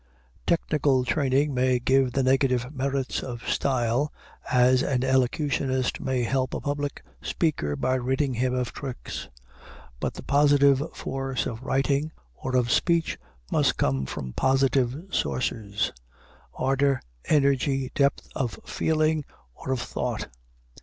_ Technical training may give the negative merits of style, as an elocutionist may help a public speaker by ridding him of tricks. But the positive force of writing or of speech must come from positive sources, ardor, energy, depth of feeling or of thought.